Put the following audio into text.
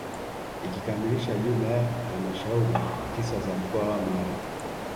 Ikikamilisha jumla ya halmashauri tisa za mkoa wa Mara